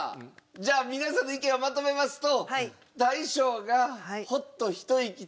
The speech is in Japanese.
じゃあ皆さんの意見をまとめますと。